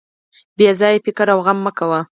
بې ځایه فکر او غم مه کوه.